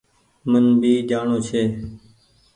من ڀي جآڻو ڇي۔